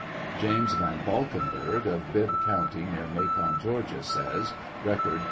779 James Van Valkenburgh, of Bibb county, near Macon, G eorgia, says (Record, p.